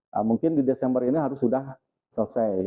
nah mungkin di desember ini harus sudah selesai